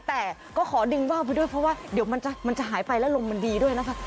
แต่ก็ขอดึงว่าวไปด้วยเพราะว่าเดี๋ยวมันจะหายไปแล้วลมมันดีด้วยนะคะ